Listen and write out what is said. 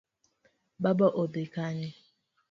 Baba odhi Kanye?